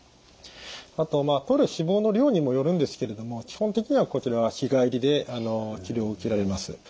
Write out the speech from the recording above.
あととる脂肪の量にもよるんですけれども基本的にはこちらは日帰りで治療を受けられます。